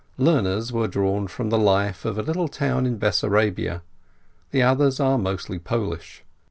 Lerner's were drawn from the life in a little town in Bessarabia, the others are mostly Polish.